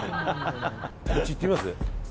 こっち行ってみます？